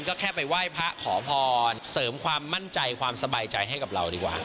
ก็แค่ไปไหว้พระขอพรเสริมความมั่นใจความสบายใจให้กับเราดีกว่า